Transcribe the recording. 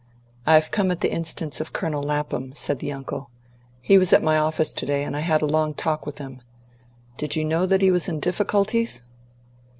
"I've come at the instance of Colonel Lapham," said the uncle. "He was at my office to day, and I had a long talk with him. Did you know that he was in difficulties?"